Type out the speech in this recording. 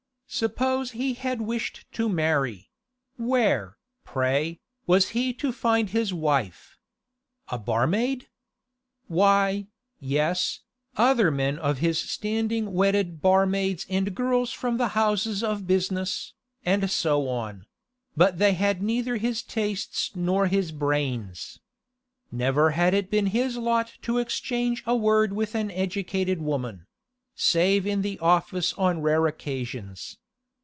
Suppose he had wished to marry; where, pray, was he to find his wife? A barmaid? Why, yes, other men of his standing wedded barmaids and girls from the houses of business, and so on; but they had neither his tastes nor his brains. Never had it been his lot to exchange a word with an educated woman—save in the office on rare occasions.